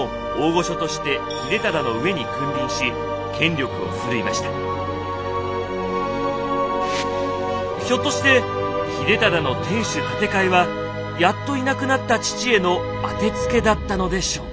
家康は将軍位を譲ったあともひょっとして秀忠の天守建て替えはやっといなくなった父への当てつけだったのでしょうか。